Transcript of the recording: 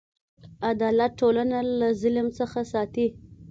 عدالت ټولنه له ظلم څخه ساتي.